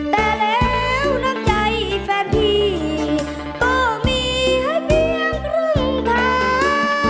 แต่แล้วนอกใจแฟนพี่ก็มีเพียงครึ่งทาง